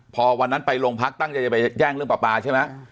พอวันนั้นไปโรงพักตั้งใจจะไปแจ้งเรื่องปลาปลาใช่ไหม